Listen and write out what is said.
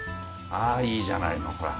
あいいじゃないのほら。